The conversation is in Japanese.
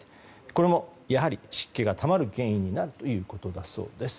これも、やはり湿気がたまる原因になるということです。